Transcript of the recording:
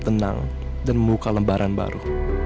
tenang dan membuka lembaran baru